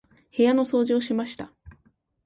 部屋の掃除をしました。